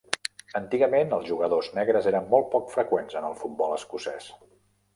Antigament, els jugadors negres eren molt poc freqüents en el futbol escocès.